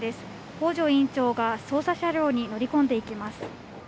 北條院長が捜査車両に乗り込んでいきます。